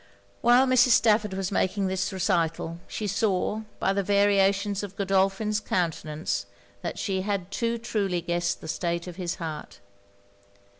While Mrs. Stafford was making this recital, she saw, by the variations of Godolphin's countenance, that she had too truly guessed the state of his heart.